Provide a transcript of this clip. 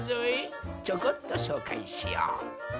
ちょこっとしょうかいしよう。